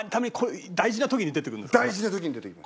大事な時に出てきます。